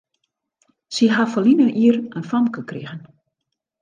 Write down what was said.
Sy ha ferline jier in famke krigen.